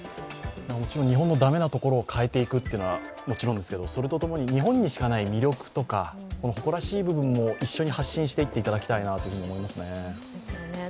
日本の駄目なところを変えていくというのはもちろんですけど、それとともに日本にしかない魅力とか誇らしい部分も一緒に発信していっていただきたいと思います。